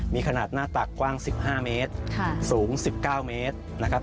มีขนาดหน้าตักกว้าง๑๕เมตรสูง๑๙เมตรนะครับ